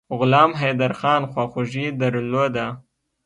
غلام حیدرخان خواخوږي درلوده.